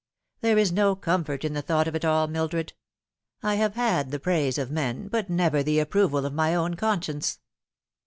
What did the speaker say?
There is no comfort in the thought of it all, Mildred. I have had the praise of men, but never the approval of my own conscience."